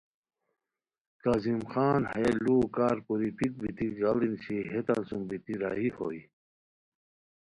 کاظم خان ہیہ لُوؤ کارکوری پھیک بیتی گاڑی نیشی ہیتان سُم بیتی راہی ہوئے